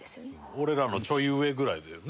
俺らのちょい上ぐらいだよね。